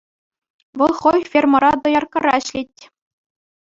Вӑл хӑй фермӑра дояркӑра ӗҫлет.